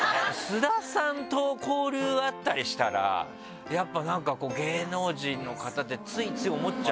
菅田さんと交流あったりしたらやっぱりなんか芸能人の方ってついつい思っちゃうんですけど。